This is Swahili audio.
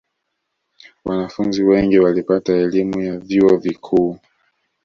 wanafunzi wengi walipata elimu ya vyuo vikuu